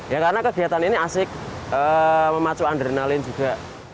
ya karena kegiatan ini asik memacu adrenalin juga